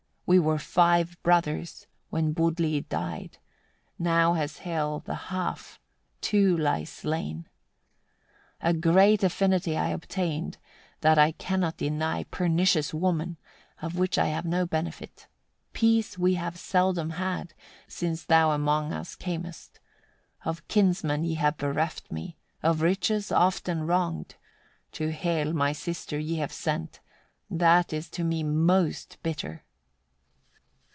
We were five brothers, when Budli died; now has Hel the half, two lie slain. 52. "A great affinity I obtained, that I cannot deny, pernicious woman! of which I have no benefit: peace we have seldom had, since thou among us camest. Of kinsmen ye have bereft me, of riches often wronged. To Hel my sister ye have sent; that is to me most bitter."